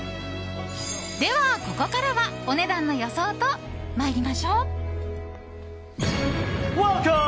では、ここからはお値段の予想と参りましょう！